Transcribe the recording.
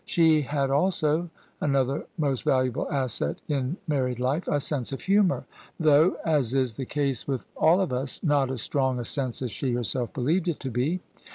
She had also (another most valuable asset in mar ried life) a sense of humour, though — as is the case with all OF ISABEL CARNABY of us — not as strong a sense as she herself believed it to be.